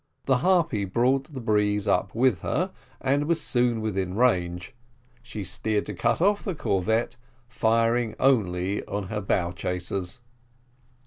The Harpy brought the breeze up with her, and was soon within range; she steered to cut off the corvette, firing only her bow chasers.